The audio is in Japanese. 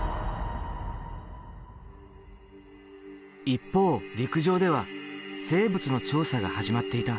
一方陸上では生物の調査が始まっていた。